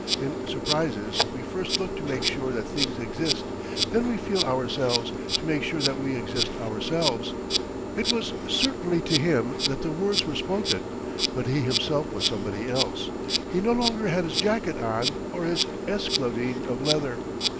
In surprises, we first look to make sure that things exist; then we feel ourselves, to make sure that we exist ourselves. It was certainly to him that the words were spoken; but he himself was somebody else. He no longer had his jacket on, or his esclavine of leather.